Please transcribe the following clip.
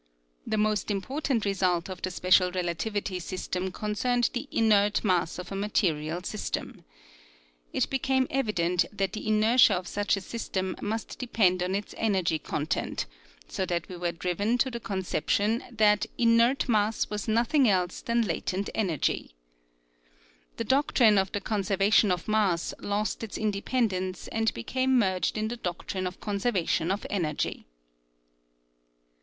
The most im portant result of the special relativity system concerned the inert mass of a material system. It became evident that the inertia of such a system must depend on its energy content, so that we were driven to the con ception that inert mass was nothing else than latent energy. The doctrine of the conserva tion of mass lost its independence and became merged in the doctrine of conservation of energy.